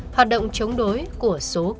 hoạt động chống đối của số